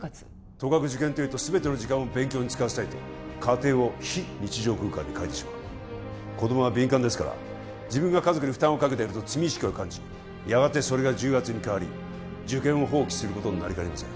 とかく受験というと全ての時間を勉強に使わせたいと家庭を非日常空間に変えてしまう子供は敏感ですから自分が家族に負担をかけていると罪意識を感じやがてそれが重圧に変わり受験を放棄することになりかねません